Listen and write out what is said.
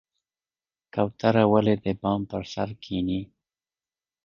کوتره ولې د بام پر سر کیني؟